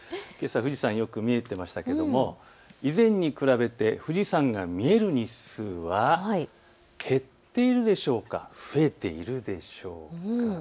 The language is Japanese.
富士山よく見えていましたけれども以前に比べて富士山が見える日数は減っているでしょうか、増えているでしょうか。